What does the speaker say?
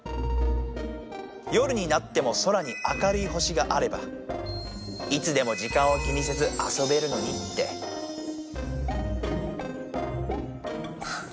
夜になっても空に明るい星があればいつでも時間を気にせずあそべるのにってあっ！